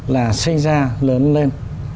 là sinh ra lớn lên